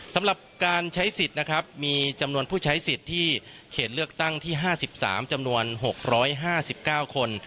สำหรับการใช้สิทธิ์นะครับมีจำนวนผู้ใช้สิทธิ์ที่เขตเลือกตั้งที่ห้าสิบสามจำนวนหกร้อยห้าสิบเก้าคน